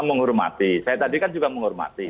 menghormati saya tadi kan juga menghormati